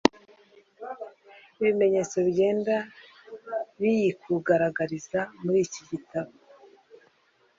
ibimenyetso bigenda biyikugaragariza muri iki gitabo.